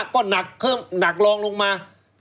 ๑๓๑๕ก็หนักรองลงมา